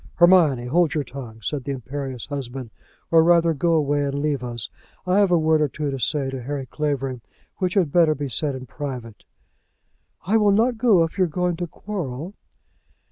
"Hermione, hold your tongue," said the imperious husband; "or, rather, go away and leave us. I have a word or two to say to Harry Clavering, which had better be said in private." "I will not go if you are going to quarrel."